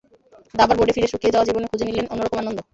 দাবার বোর্ডে ফিরে শুকিয়ে যাওয়া জীবনে খুঁজে নিলেন অন্য রকম আনন্দ।